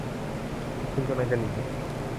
คุณกำลังจะหนี